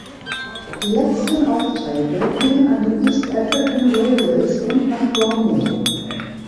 Die letzten Aufträge gingen an die East African Railways und nach Borneo.